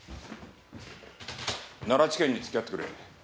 奈良地検に付き合ってくれ。